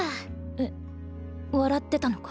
えっ笑ってたのか？